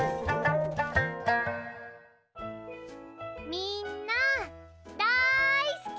みんなだいすき！